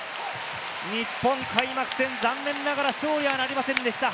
日本開幕戦、残念ながら勝利はなりませんでした。